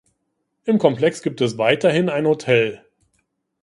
Im Komplex gibt es weiterhin ein Hotel.